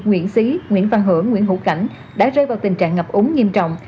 nguyễn xí nguyễn văn hưởng nguyễn hữu cảnh đã rơi vào tình trạng ngập úng nghiêm trọng